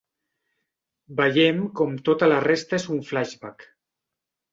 Veiem com tota la resta és un flashback.